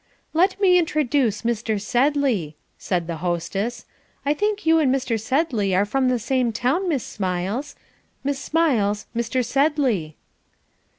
"Let me introduce Mr. Sedley," said the hostess. "I think you and Mr. Sedley are from the same town, Miss Smiles. Miss Smiles, Mr. Sedley."